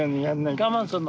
我慢すんの？